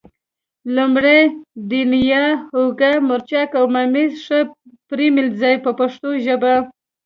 لومړی دڼیا، هوګه، مرچک او ممیز ښه پرېمنځئ په پښتو ژبه.